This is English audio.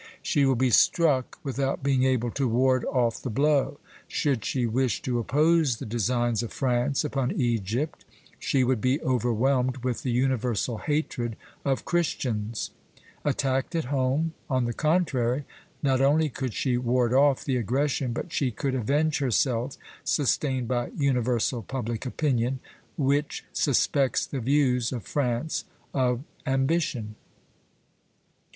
She will be struck without being able to ward off the blow. Should she wish to oppose the designs of France upon Egypt, she would be overwhelmed with the universal hatred of Christians; attacked at home, on the contrary, not only could she ward off the aggression, but she could avenge herself sustained by universal public opinion, which suspects the views of France of ambition."